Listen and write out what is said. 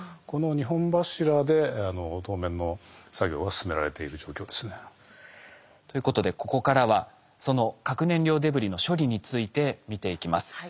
この二本柱で当面の作業が進められている状況ですね。ということでここからはその核燃料デブリの処理について見ていきます。